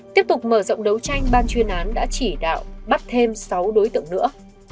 tiếp tục mở rộng đấu tranh ban chuyên án đã chỉ đạo bắt thêm sáu đối tượng nữa